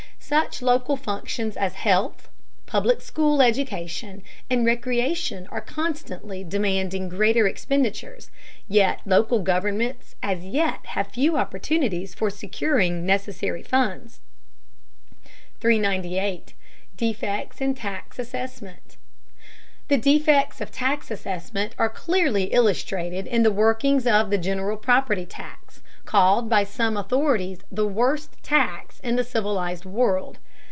Such local functions as health, public school education, and recreation are constantly demanding greater expenditures, yet local governments as yet have few opportunities for securing necessary funds. 398. DEFECTS IN TAX ASSESSMENT. The defects of tax assessment are clearly illustrated in the workings of the general property tax, called by some authorities the worst tax in the civilized world.